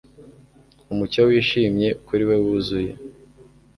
Umucyo wishimye kuri we wuzuye